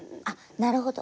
なるほど。